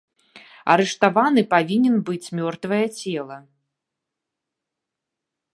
Арыштаваны павінен быць мёртвае цела.